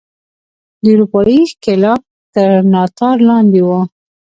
د اروپايي ښکېلاک تر ناتار لاندې وو.